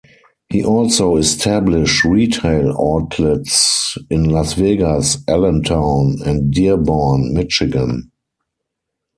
He also established retail outlets in Las Vegas, Allentown, and Dearborn, Michigan.